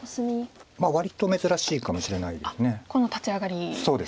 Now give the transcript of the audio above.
割と珍しいかもしれないです。